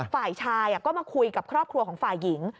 ฝ่ายชายก็มาคุยกับครอบครัวของฝ่ายหญิง